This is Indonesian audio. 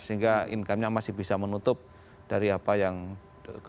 sehingga income nya masih bisa menutup dari apa yang terjadi